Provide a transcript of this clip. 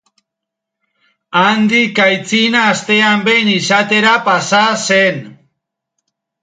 Handik aitzina astean behin izatera pasa zen.